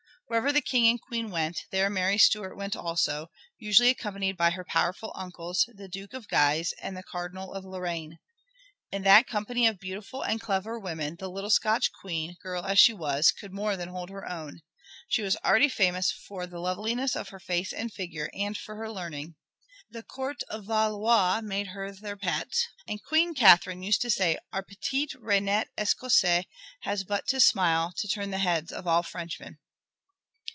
Wherever the King and Queen went, there Mary Stuart went also, usually accompanied by her powerful uncles, the Duke of Guise and the Cardinal of Lorraine. In that company of beautiful and clever women the little Scotch Queen, girl as she was, could more than hold her own. She was already famous for the loveliness of her face and figure, and for her learning. The court of Valois made her their pet, and Queen Catherine used to say, "Our petite Reinette Escossaise has but to smile to turn the heads of all Frenchmen."